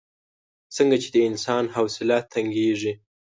څنګه چې د انسان حوصله تنګېږي.